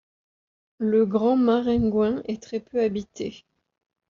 Le Grand-Maringouin est très peu habité.